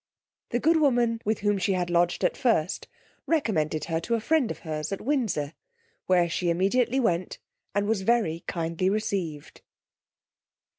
The good woman with whom she had lodged at first recommended her to a friend of her's at Windsor, where she immediately went, and was very kindly received.